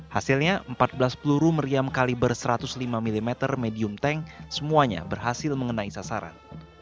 hasilnya empat belas peluru meriam kaliber satu ratus lima mm medium tank semuanya berhasil mengenai sasaran